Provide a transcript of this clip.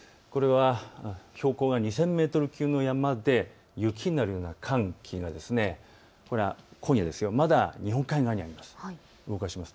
標高が２０００メートル級の山で雪になるような寒気が今夜まだ日本海側にあります。